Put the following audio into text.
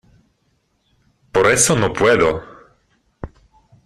por eso no puedo...